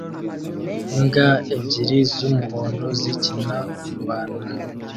Imbwa ebyiri z'umuhondo zikina-kurwana